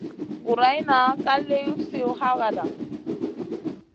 Guroyna ka liw sih hagada.